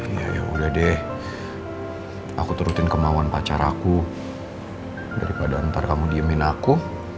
iya yaudah deh aku turutin kemauan pacar aku daripada ntar kamu diemin aku